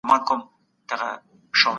خواړه د انسان ورځ جوړوي.